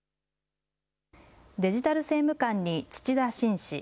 デジタル政務官に土田慎氏。